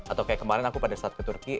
atau kayak kemarin aku pada saat ke turki